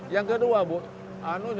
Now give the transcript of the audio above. yang kedua bu